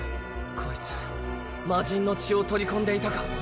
こいつ魔神の血を取り込んでいたか。